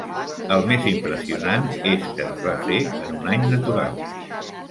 El més impressionant és que es va fer en un any natural.